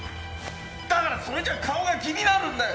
だからそれじゃ顔が気になるんだよ！